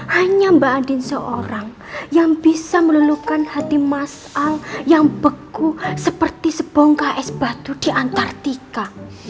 hanya mbak andin seorang yang bisa melulukan hati masal yang begu seperti sepongka es batu di antartika